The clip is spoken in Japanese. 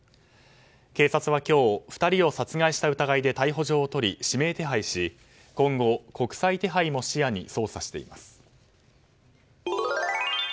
警察は今日、２人を殺害した疑いで逮捕状を取り指名手配し今後、国際手配も視野に捜査しています。